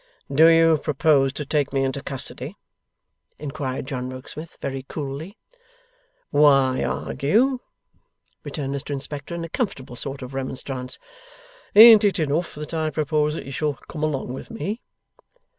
'Do you propose to take me into custody?' inquired John Rokesmith, very coolly. 'Why argue?' returned Mr Inspector in a comfortable sort of remonstrance; 'ain't it enough that I propose that you shall come along with me?